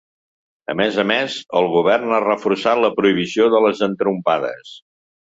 A més a més, el govern ha reforçat la prohibició de les entrompades.